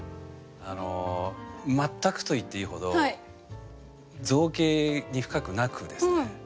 あの全くと言っていいほど造詣に深くなくですね。